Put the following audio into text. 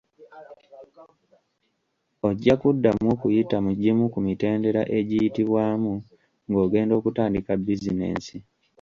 Ojja kuddamu okuyita mu gimu ku mitendera egiyitibwamu ng’ogenda okutandika bizinensi.